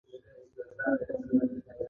په موبایل کې مې تور حالت فعال شو.